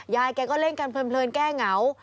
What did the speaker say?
ยายแกก็เล่นกันเพลินแก้เหงา